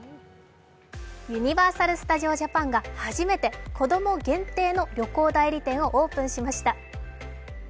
ユニバーサル・スタジオ・ジャパンが初めて子供限定の旅行代理店をオープンしました。